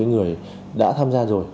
người đã tham gia rồi